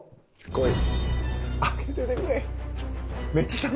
こい。